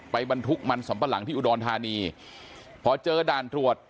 บรรทุกมันสำปะหลังที่อุดรธานีพอเจอด่านตรวจ